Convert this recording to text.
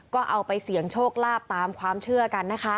ก็เอาไปเสี่ยงโชคลาภตามความเชื่อกันนะคะ